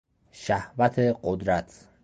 شهوت قدرت